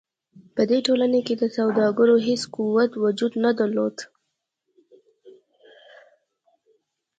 په دې ټولنو کې د سوداګرو هېڅ قوت وجود نه درلود.